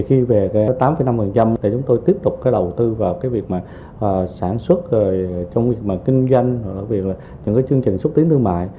khi về tới tám năm thì chúng tôi tiếp tục đầu tư vào việc sản xuất kinh doanh những chương trình xuất tiến thương mại